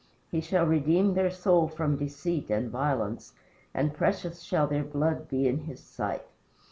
He shall redeem their soul from deceit and violence, And precious shall their blood be in his sight.